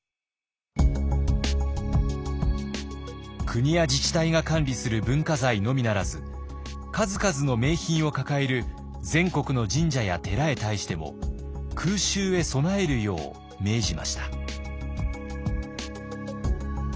国や自治体が管理する文化財のみならず数々の名品を抱える全国の神社や寺へ対しても空襲へ備えるよう命じました。